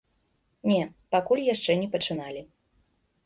Не, пакуль яшчэ не пачыналі.